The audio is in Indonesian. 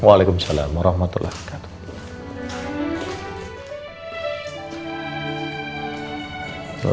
waalaikumsalam warahmatullahi wabarakatuh